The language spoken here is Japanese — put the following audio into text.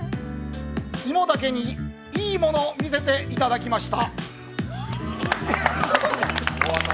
芋だけにいいもの見せていただきました。